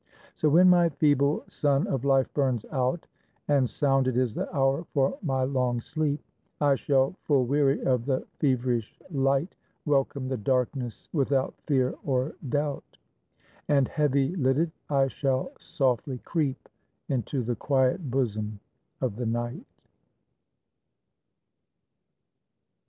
So when my feeble sun of life burns out, And sounded is the hour for my long sleep, I shall, full weary of the feverish light, Welcome the darkness without fear or doubt, And heavy lidded, I shall softly creep Into the quiet bosom of the Night.